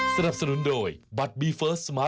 โปรดติดตามตอนต่อไป